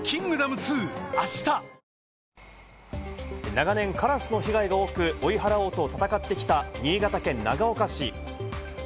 長年、カラスの被害が多く、追い払おうと戦ってきた新潟県長岡市。